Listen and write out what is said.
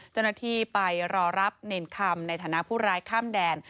เจ้าหน้าที่ไปรอรับเนรคำในฐานะผู้ร้ายข้ามแดน